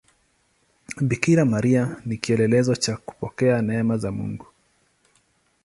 Bikira Maria ni kielelezo cha kupokea neema za Mungu.